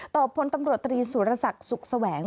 พลตำรวจตรีสุรศักดิ์สุขแสวง